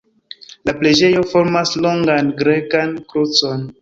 La preĝejo formas longan grekan krucon.